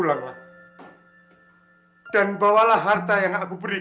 silakan aku ci tong pilih aku yang cuent permanenti